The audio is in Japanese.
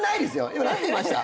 今何て言いました？